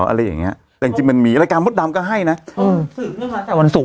อะไรอย่างเงี้ยแต่จริงจริงมันมีรายการมดดำก็ให้นะอืมสืบเรื่องมาตั้งแต่วันศุกร์